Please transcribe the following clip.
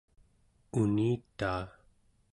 unitaa